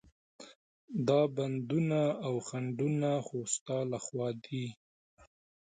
دا بندونه او خنډونه خو ستا له خوا دي.